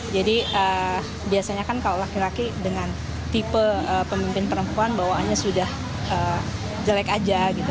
jadi biasanya kan kalau laki laki dengan tipe pemimpin perempuan bawaannya sudah jelek aja gitu